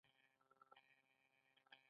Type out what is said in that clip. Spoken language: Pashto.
دا ځای د شاهي کورنۍ د بندیانو لپاره و.